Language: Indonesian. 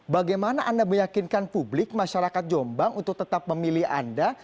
bagaimana anda meyakinkan publik masyarakat jombang untuk tetap memilih anda